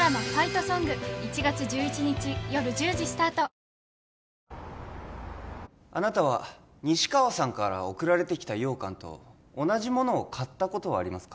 おいしいあなたは西川さんから送られてきた羊羹と同じものを買ったことはありますか？